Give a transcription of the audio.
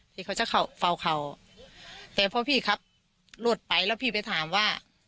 ที่เขาจะเฝ่าเข่าแต่พอพี่ครับลวดไปแล้วพี่ไปถามว่า